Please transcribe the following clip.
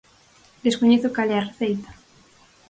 Descoñezo cal é a receita.